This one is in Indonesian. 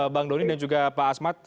bang doni dan juga pak asmat